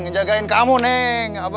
ngejagain kamu neng